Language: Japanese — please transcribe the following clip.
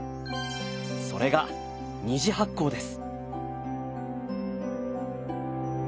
それが２次発酵です。